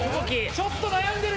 ・ちょっと悩んでる！